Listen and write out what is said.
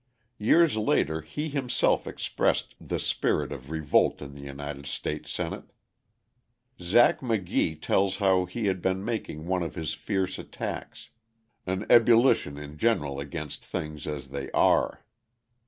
Years later he himself expressed the spirit of revolt in the United States Senate. Zach McGhee tells how he had been making one of his fierce attacks, an ebullition in general against things as they are.